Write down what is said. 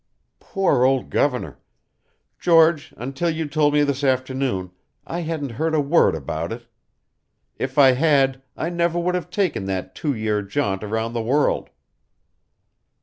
"Poor old governor! George, until you told me this afternoon, I hadn't heard a word about it. If I had, I never would have taken that two year jaunt around the world."